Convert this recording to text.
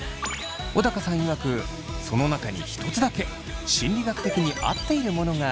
小高さんいわくその中にひとつだけ心理学的に合っているものがありました。